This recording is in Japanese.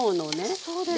そうですか。